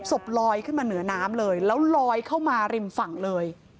ศพลอยขึ้นมาเหนือน้ำเลยแล้วลอยเข้ามาริมฝั่งเลย